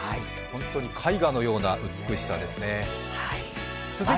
絵画のような美しさですね。